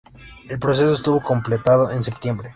El proceso estuvo completado en septiembre.